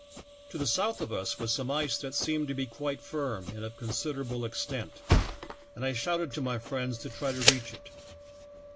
"To the south of us was some ice that seemed to be quite firm and of considerable extent, and I shouted to m3" friends to try to reach it.